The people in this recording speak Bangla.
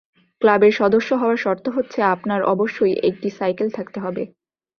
ক্লাবের সদস্য হওয়ার শর্ত হচ্ছে আপনার অবশ্যই একটি সাইকেল থাকতে হবে।